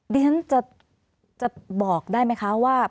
ดิฉันจะบอกได้ไหมคะว่า